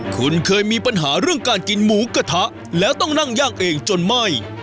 คุณเคยมีปัญหาเรื่องการกินหมูกระทะแล้วต้องนั่งย่างเองจนไหม้